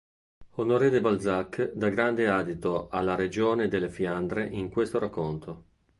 Honoré de Balzac dà grande adito alla regione delle Fiandre in questo racconto.